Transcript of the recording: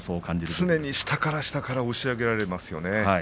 常に下から押し上げられますよね。